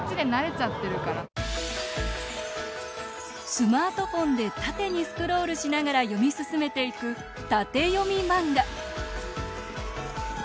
スマートフォンで縦にスクロールしながら読み進めていく縦読み漫画。